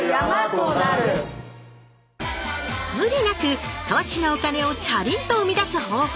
無理なく投資のお金をチャリンとうみだす方法。